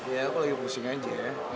ya aku lagi pusing aja ya